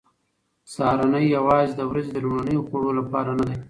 سهارنۍ یوازې د ورځې د لومړنیو خوړو لپاره نه ده.